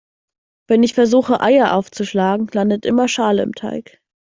Wenn ich versuche Eier aufzuschlagen, landet immer Schale im Teig.